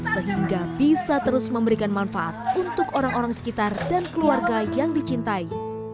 sehingga bisa terus memberikan manfaat untuk orang orang sekitar dan keluarga yang dicintai